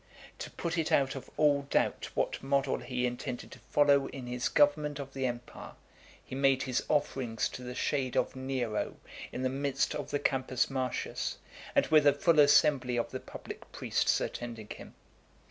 To put it out of all doubt what model he intended to follow in his government of the empire, he made his offerings to the shade of Nero in the midst of the Campus Martius, and with a full assembly of the public priests attending him.